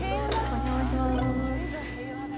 お邪魔します。